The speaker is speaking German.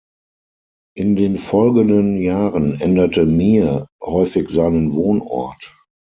In den folgenden Jahren änderte Mir häufig seinen Wohnort.